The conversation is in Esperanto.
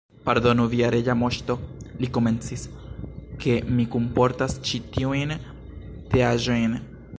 "Pardonu, via Reĝa Moŝto," li komencis, "ke mi kunportas ĉi tiujn teaĵojn.